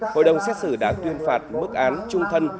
hội đồng xét xử đã tuyên phạt mức án trung thân